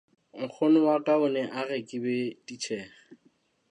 Nkgono wa ka o ne a re ke be titjhere.